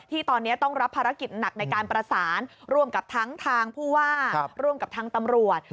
ที่ตอนนี้ต้องรับภารกิจหนักในการประสานร่วมกับทั้งทางผู้ว่าร่วมกับทางตำรวจ